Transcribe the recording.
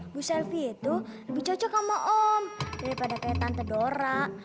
bu selvi itu lebih cocok sama om daripada kayak tante dora